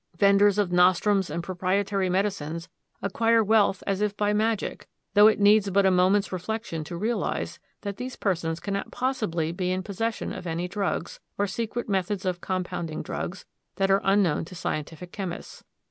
Venders of nostrums and proprietary medicines acquire wealth as if by magic, though it needs but a moment's reflection to realize that these persons cannot possibly be in possession of any drugs, or secret methods of compounding drugs, that are unknown to scientific chemists.